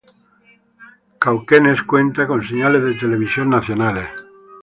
Cauquenes cuenta con señales de televisión nacionales.